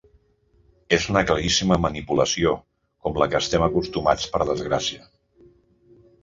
És una claríssima manipulació com la que estem acostumats per desgràcia….